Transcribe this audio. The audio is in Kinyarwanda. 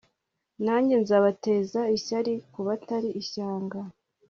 nanjye nzabateza ishyari ku batari ishyanga